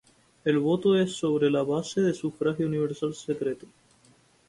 El voto es sobre la base de sufragio universal secreto.